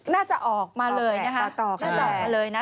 น่าจะออกมาเลยนะคะน่าจะออกมาเลยนะ